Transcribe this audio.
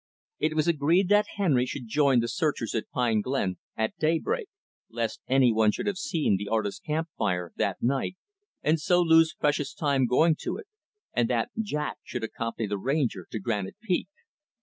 It was agreed that Henry should join the searchers at Pine Glen, at daybreak lest any one should have seen the artist's camp fire, that night, and so lose precious time going to it and that Jack should accompany the Ranger to Granite Peak.